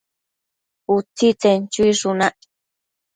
Utsitsen chuishunac